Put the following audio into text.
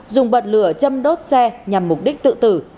dùng bật lửa chăm đốt xe nhằm mục đích tự tử